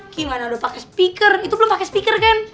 gimana udah pake speaker itu belum pake speaker kan